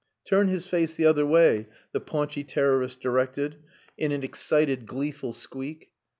"Turn his face the other way," the paunchy terrorist directed, in an excited, gleeful squeak.